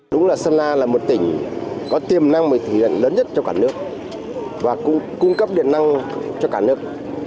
đúng là sơn la là một tỉnh có tiềm năng mới thể hiện lớn nhất cho cả nước và cung cấp điện năng cho cả nước